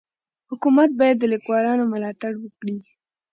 حکومت باید د لیکوالانو ملاتړ وکړي.